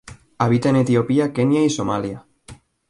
Habita en Etiopía, Kenia y Somalia.